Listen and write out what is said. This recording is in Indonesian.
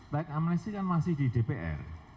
baik amnesty kan masih di dpr